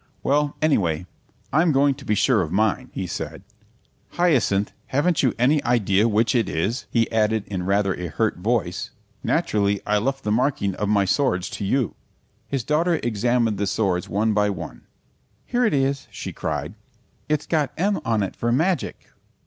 "Well, anyway, I'm going to be sure of mine," he said. "Hyacinth, haven't you any idea which it is?" He added in rather a hurt voice, "Naturally I left the marking of my swords to you." His daughter examined the swords one by one. "Here it is," she cried. "It's got 'M' on it for 'magic.'"